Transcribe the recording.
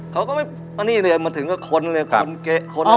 เขาก็ไม่มานี่เลยมาถึงก็ค้นเลยคนเกะคน